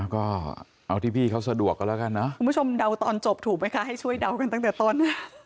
ก็เอาที่พี่เขาสะดวกกันแล้วกันนะคุณผู้ชมเดาตอนจบถูกไหมคะให้ช่วยเดากันตั้งแต่ต้น